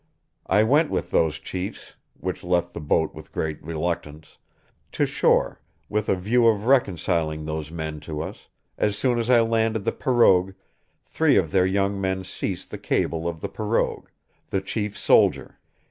I went with those chiefs (which left the boat with great reluctiance) to shore with a view of reconseleing those men to us, as soon as I landed the Perogue three of their young men seased the cable of the Perogue, the chiefs soldr.